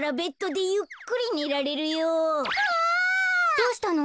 どうしたの？